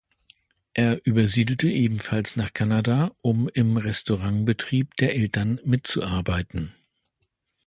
Er übersiedelte ebenfalls nach Kanada, um im Restaurantbetrieb der Eltern mitzuarbeiten.